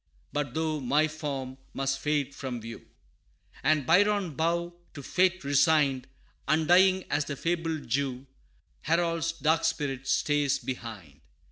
But though my form must fade from view. And Byron bow to fate resigned, Undying as the fabled Jew, Harold's dark spirit stays behind!